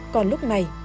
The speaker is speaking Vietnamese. còn lúc này